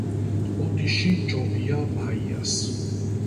ოდიში ჯობია ბაიას